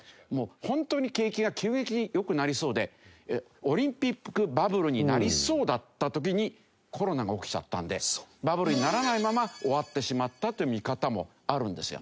ホントに景気が急激に良くなりそうでオリンピックバブルになりそうだった時にコロナが起きちゃったんでバブルにならないまま終わってしまったという見方もあるんですよ。